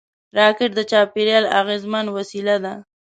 راکټ د چاپېریال اغېزمن وسیله ده